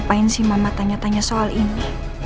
ngapain sih mama tanya tanya soal ini